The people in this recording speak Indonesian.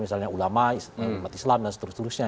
misalnya ulama umat islam dan seterusnya